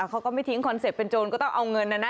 เขาก็ไม่ทิ้งคอนเซ็ปต์เป็นโจรก็ต้องเอาเงินนะนะ